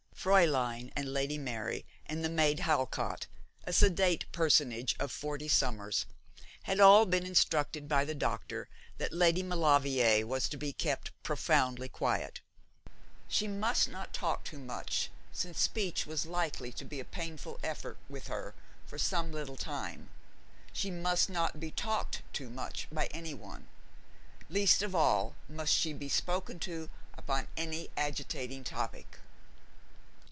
Fräulein, and Lady Mary, and the maid Halcott, a sedate personage of forty summers, had all been instructed by the doctor that Lady Maulevrier was to be kept profoundly quiet. She must not talk much, since speech was likely to be a painful effort with her for some little time; she must not be talked to much by anyone, least of all must she be spoken to upon any agitating topic.